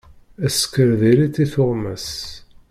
Sskeṛ diri-t i tuɣmas.